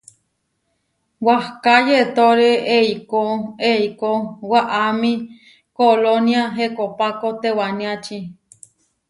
Wahká yetóre eikó eikó waʼámi kolónia Hekopáko tewaniáči.